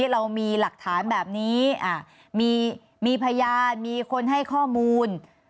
เรามีหลักฐานแบบนี้มีพยานมีคนให้ข้อมูล